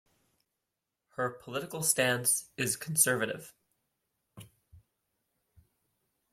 Her political stance is conservative.